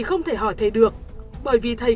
không thể hỏi thầy được bởi vì thầy